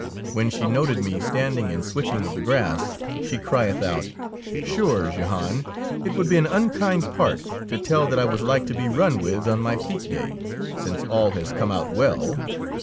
When she noted me standing and switching of the grass, she crieth out, —" Sure, Jehan, it would be an unkind part to tell that I was like to be run with on my fete day, since all has come out well.